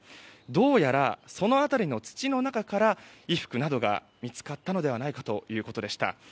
どうやら、その辺りの土の中から衣服などが見つかったのではないかということでした。